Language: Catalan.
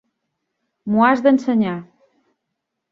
M'ho has d'ensenyar.